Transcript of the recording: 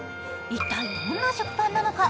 一体どんな食パンなのか。